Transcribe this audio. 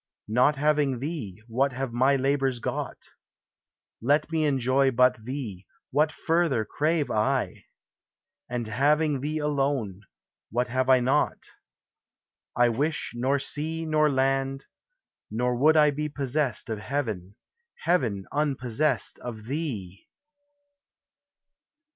Not having thee, what have my labors got? Let me enjoy but thee, what further crave I ? And having thee alone, what have I not? I wish nor sea nor land ; nor would I be Possessed of heaven, heaven unpossessed of thee